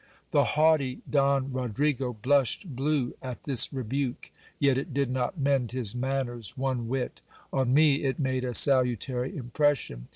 The haughty Don Rodrigo blushed blue at this rebuke. Yet it did not mend his manners one whit On me it made a salutary impression.